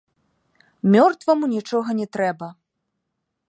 Мёртваму нічога не трэба.